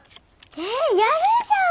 えっやるじゃん！